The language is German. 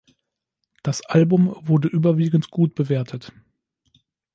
Das Album wurde überwiegend gut bewertet.